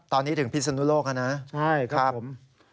ตอนนี้ถึงพิสนุโลกค่ะนะครับใช่ครับ